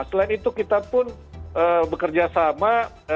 selain itu kita pun bekerja sama